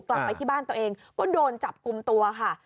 กลับไปที่บ้านตัวเองก็โดนจับกลุ่มตัวค่ะ